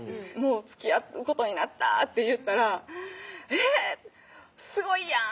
「つきあうことになった」って言ったら「えっすごいやん！